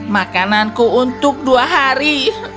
makananku untuk dua hari